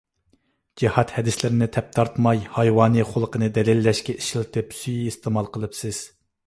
جىھاد ھەدىسلىرىنى تەپتارتماي ھايۋانىي خۇلقىنى دەلىللەشكە ئىشلىتىپ سۇيىئىستېمال قىلىپسىز.